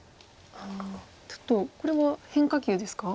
ちょっとこれは変化球ですか？